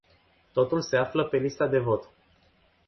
Totul se află pe lista de vot.